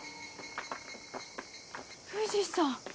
・藤さん。